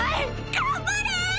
頑張れ！